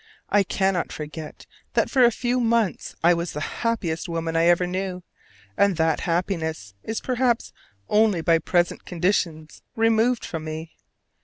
I cannot forget that for a few months I was the happiest woman I ever knew: and that happiness is perhaps only by present conditions removed from me.